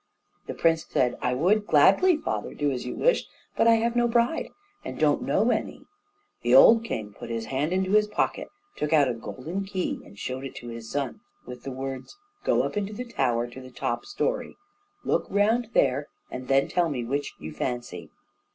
The prince said: "I would gladly, father, do as you wish; but I have no bride, and don't know any." The old king put his hand into his pocket, took out a golden key and showed it to his son, with the words, "go up into the tower, to the top story, look round there, and then tell me which you fancy."